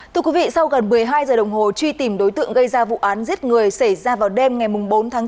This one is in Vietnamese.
thưa quý vị sau gần một mươi hai giờ đồng hồ truy tìm đối tượng gây ra vụ án giết người xảy ra vào đêm ngày bốn tháng chín